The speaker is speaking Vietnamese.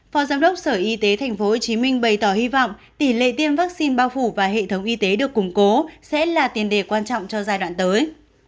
phó giám đốc sở y tế tp hcm bày tỏ hy vọng tỷ lệ tiêm vaccine bao phủ và hệ thống y tế được củng cố sẽ là tiền đề quan trọng cho giai đoạn tới